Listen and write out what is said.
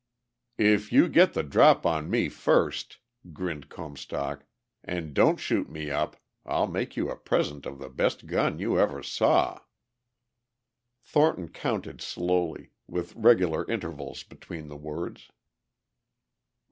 "If you get the drop on me first," grinned Comstock, "and don't shoot me up, I'll make you a present of the best gun you ever saw." Thornton counted slowly, with regular intervals between the words.